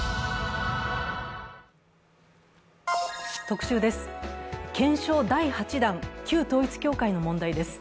特集です。